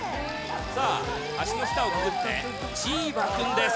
さあ橋の下をくぐってチーバくんです！